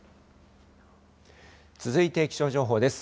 続いて気象情報です。